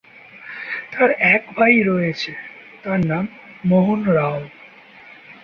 তার এক ভাই রয়েছে, তার নাম মোহন রাও।